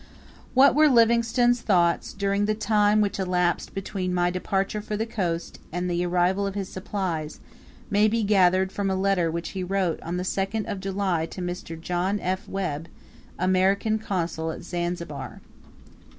What were Livingstone's thoughts during the time which elapsed between my departure for the coast, and the arrival of his supplies, may be gathered from a letter which he wrote on the 2nd of July to Mr. John F. Webb, American Consul at Zanzibar.